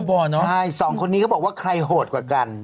ใช่สองคนนี้ก็บอกว่าใครโหดกว่ากัน